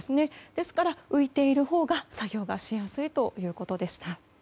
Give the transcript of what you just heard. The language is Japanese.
ですから、浮いているほうが作業がしやすいということでした。